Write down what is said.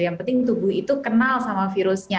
yang penting tubuh itu kenal sama virusnya